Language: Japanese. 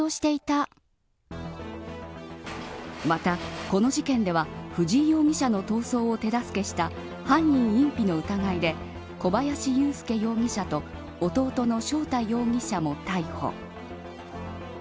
また、この事件では藤井容疑者の逃走を手助けした犯人隠避の疑いで小林優介容疑者と弟の翔太容疑者も逮捕。